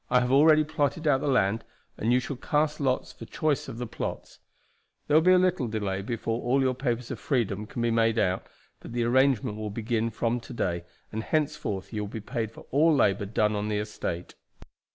I have already plotted out the land and you shall cast lots for choice of the plots. There will be a little delay before all your papers of freedom can be made out, but the arrangement will begin from to day, and henceforth you will be paid for all labor done on the estate."